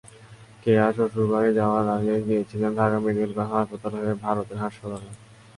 কেয়া শ্বশুরবাড়ি যাওয়ার আগেই গিয়েছিলেন ঢাকা মেডিকেল কলেজ হাসপাতাল হয়ে ভারতের হাসপাতালে।